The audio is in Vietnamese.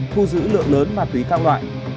thu giữ lượng lớn ma túy tham loại